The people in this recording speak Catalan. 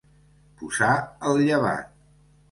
Posar el llevat.